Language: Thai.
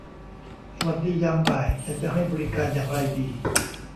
สวัสดียามบ่ายฉันจะให้บริการอย่างไรดี ?